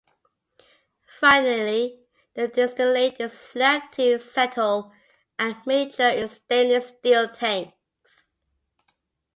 Finally, the distillate is left to settle and mature in stainless steel tanks.